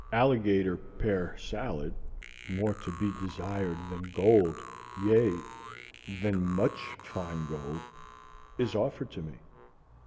Alligator pear salad more to be desired than gold, yea, than much fine gold is offered to me.